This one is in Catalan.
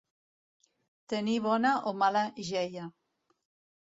Tenir bona o mala jeia.